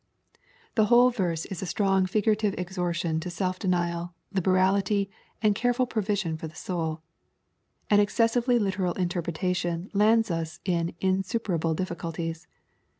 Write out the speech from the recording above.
The whole verse is a strong figurative exhortation to self denial, liberality, and careful provision for the soul. An ex cessively literal interpretation lands us in insuperable difficulties.